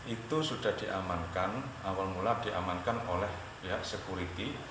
itu sudah diamankan awal mula diamankan oleh pihak sekuriti